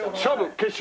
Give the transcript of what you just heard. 決勝！